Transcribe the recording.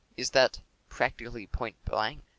Is that ''£ractically point blank